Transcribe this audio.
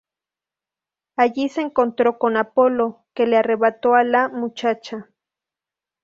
Allí se encontró con Apolo, que le arrebató a la muchacha.